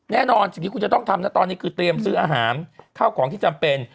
แน่นอนสิ่งที่คุณจะต้องทำนะตอนนี้คือเตรียมซื้ออาหารข้าวของที่จำเป็น